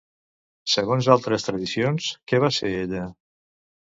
Segons altres tradicions, què va ser ella?